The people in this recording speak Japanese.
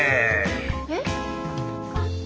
えっ？